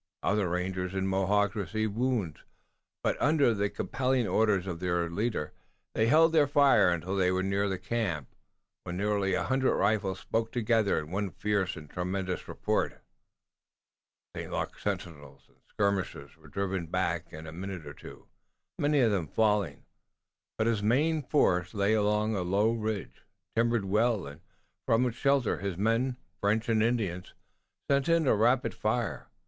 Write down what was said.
Other rangers and Mohawks received wounds, but under the compelling orders of their leaders they held their fire until they were near the camp, when nearly a hundred rifles spoke together in one fierce and tremendous report. St. Luc's sentinels and skirmishers were driven back in a minute or two, many of them falling, but his main force lay along a low ridge, timbered well, and from its shelter his men, French and Indians, sent in a rapid fire.